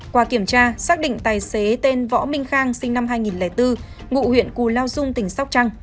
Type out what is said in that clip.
qua kiểm tra xác định tài xế tên võ minh khang sinh năm hai nghìn bốn ngụ huyện cù lao dung tỉnh sóc trăng